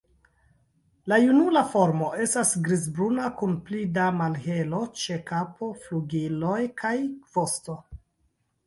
La junula formo estas griz-bruna kun pli da malhelo ĉe kapo, flugiloj kaj vosto.